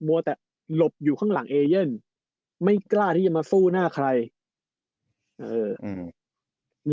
วัวแต่หลบอยู่ข้างหลังเอเย่นไม่กล้าที่จะมาสู้หน้าใครเอออืม